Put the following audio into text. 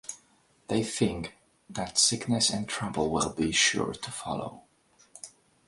They think that sickness and trouble will be sure to follow.